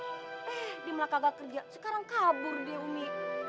eh dia malah kagak kerja sekarang kabur dia umi